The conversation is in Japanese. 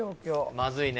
まずいね。